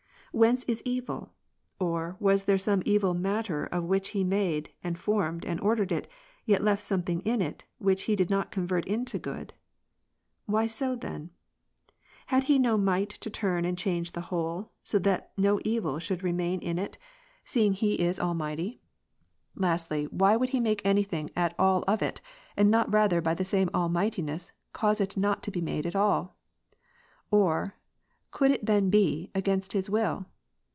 Whence is evil ? Or, w^as there some evil matter of which He made, and formed, and ordered it, yet left something in it, which He did not convert into good ? Why so then ? Had He no might to turn and change the whole, so that no evil should remain in it, seeing Aug., guided by notions, though vague, of Catholic truth. 113 He is All mighty? Lastly, why would He make any thing at all of it, and not rather by the same All mightiness cause it not to be at all ? Or, could it then be, against His will